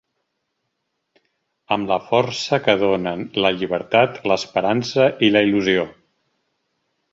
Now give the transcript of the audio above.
Amb la força que donen la llibertat, l’esperança i la il·lusió.